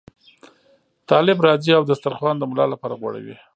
طالب راځي او دسترخوان د ملا لپاره غوړوي.